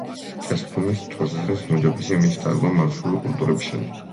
თესლბრუნვის თვალსაზრისით უმჯობესია მისი დარგვა მარცვლეული კულტურების შემდეგ.